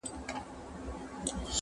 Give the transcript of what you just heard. زما اصلي ګناه به دا وي چي زه خر یم -